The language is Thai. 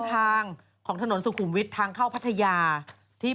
ตากล้องของเราก็หลงเหอยกันมาแล้ว